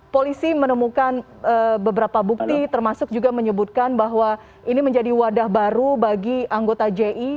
polisi menemukan beberapa bukti termasuk juga menyebutkan bahwa ini menjadi wadah baru bagi anggota ji